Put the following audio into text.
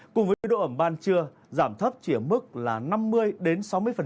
cùng với độ ẩm ban trưa giảm thấp chỉ ở mức là năm mươi đến sáu mươi